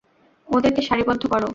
ওদেরকে সারিবদ্ধ করো।